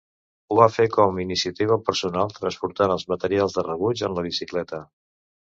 Ho va fer com a iniciativa personal transportant els materials de rebuig en la bicicleta.